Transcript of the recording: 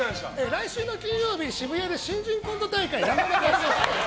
来週の金曜日渋谷で新人コント大会やります。